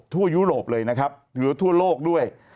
ยุโรปเลยนะครับหรือทั่วโลกด้วย